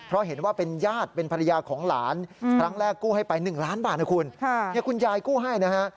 ๑ล้านบาทนะคุณคุณยายกู้ให้นะฮะ